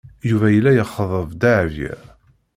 Yuba yella yexḍeb Dahbiya.